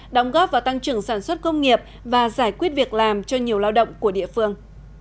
đóng góp vào tăng trưởng sản xuất công nghiệp và giải quyết việc làm cho nhiều lao động của địa phương